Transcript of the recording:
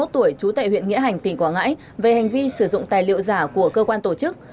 ba mươi tuổi trú tại huyện nghĩa hành tỉnh quảng ngãi về hành vi sử dụng tài liệu giả của cơ quan tổ chức